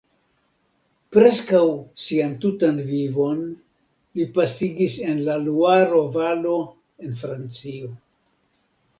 Preskaŭ sian tutan vivon li pasigis en la Luaro-valo en Francio.